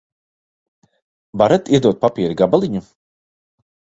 Varat iedot papīra gabaliņu?